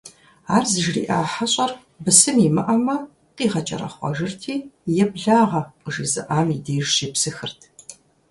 Ар зыжриӀа хьэщӀэр, бысым имыӀэмэ, къигъэкӀэрэхъуэжырти, еблагъэ къыжезыӀам и деж щепсыхырт.